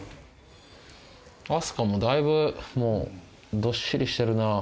明日香もだいぶもうどっしりしてるな。